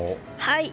はい。